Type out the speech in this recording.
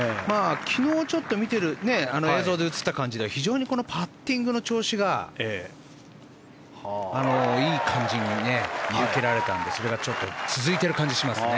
昨日、映像で映った感じでは非常にこのパッティングの調子がいい感じに見受けられたんでそれが続いてる感じがしますね。